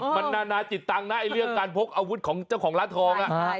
มันนานาจิตตังค์นะในเรื่องการพยายามอาวุธของร้านทอง